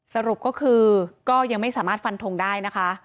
สรุปก็คือก็ยังไม่สามารถฟันทงได้นะคะ